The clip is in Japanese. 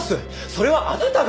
それはあなたが。